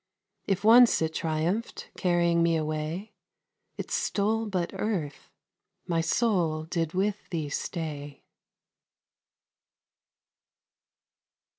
If once it triumph'd, carrying me away, It stole but earth; my soul did with thee stay.